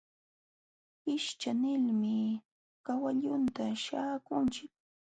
Hishcha nilmi kawallunta śhaakuuchin.